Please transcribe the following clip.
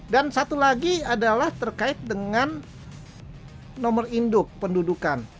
dan satu lagi adalah terkait dengan nomor induk pendudukan